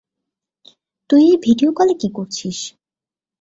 তুই এই ভিডিও কলে কী করছিস?